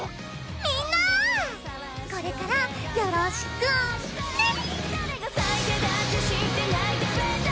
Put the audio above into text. みんなこれからよろしくねっ！